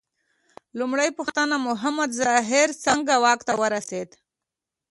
لومړۍ پوښتنه: محمد ظاهر څنګه واک ته ورسېد؟